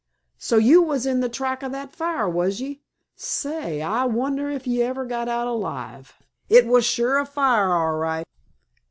"So you was in the track o' that fire, was ye? Sa ay, I wonder ye ever got out alive. It was sure a fire, all right.